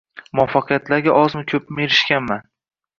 Muvaffaqiyatlarga ozmi-koʻpmi erishganman